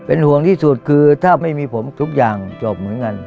ห่วงที่สุดคือถ้าไม่มีผมทุกอย่างจบเหมือนกัน